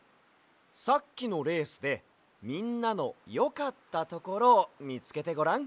さっきのレースでみんなのよかったところをみつけてごらん。